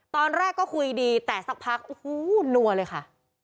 ตอนแรกก็คุยดีแต่สักพักโอ้โหนัวเลยค่ะ